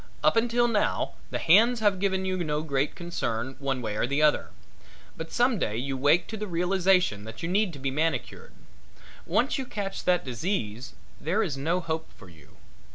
Up until now the hands have given you no great concern one way or the other, but some day you wake to the realization that you need to be manicured. Once you catch that disease there is no hope for you.